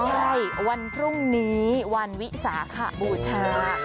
ใช่วันพรุ่งนี้วันวิสาขบูชา